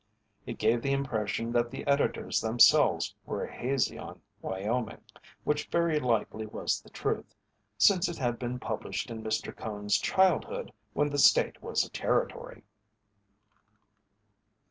It gave the impression that the editors themselves were hazy on Wyoming, which very likely was the truth, since it had been published in Mr. Cone's childhood when the state was a territory.